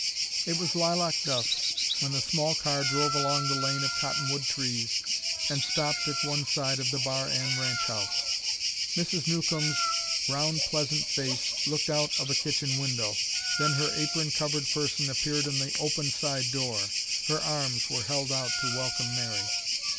It was lilac dusk when the small car drove along the lane of cottonwood trees and stopped at one side of the Bar N ranch house. Mrs. Newcomb's round pleasant face looked out of a kitchen window, then her apron covered person appeared in the open side door. Her arms were held out to welcome Mary.